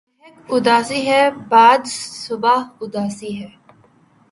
مہک اُداسی ہے، باد ِ صبا اُداسی ہے